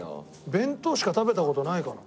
弁当しか食べた事ないからな。